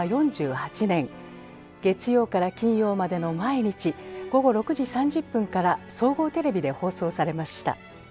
月曜から金曜までの毎日午後６時３０分から総合テレビで放送されました。